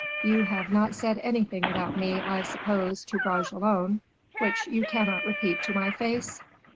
You have not said anything about me, I suppose, to Bragelonne, which you cannot repeat to my face?"